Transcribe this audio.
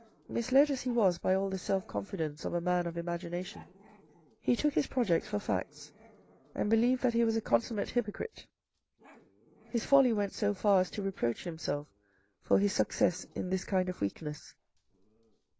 Misled as he was by all the self confidence of a man of imagination, he took his projects for facts, and believed that he was a consummate hypocrite. His folly went so far as to reproach himself for his success in this kind of weakness.